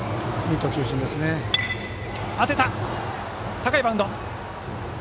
高いバウンド！